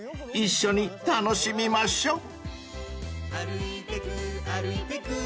一緒に楽しみましょ］